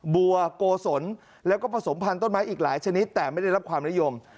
บัวโกศลแล้วก็ผสมพันธ์ต้นไม้อีกหลายชนิดแต่ไม่ได้รับความนิยม